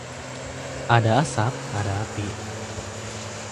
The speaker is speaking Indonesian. Ada asap ada api